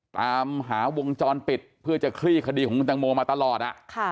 ตามหาวงจรปิดเพื่อจะคลี่คดีของคุณตังโมมาตลอด